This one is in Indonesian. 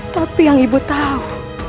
tapi yang ibu tahu